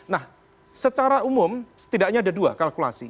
nah secara umum setidaknya ada dua kalkulasi